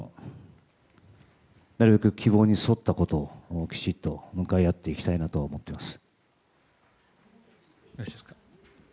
なるべく希望に沿ったことをきちっと向かい合っていきたいなと思ってます。